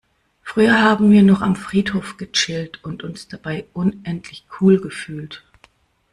Früher haben wir noch am Friedhof gechillt und uns dabei unendlich cool gefühlt.